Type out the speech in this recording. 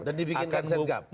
dan dibikin set gap